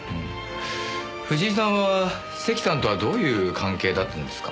藤井さんは関さんとはどういう関係だったんですか？